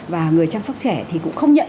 và người chăm sóc trẻ thì cũng không nhận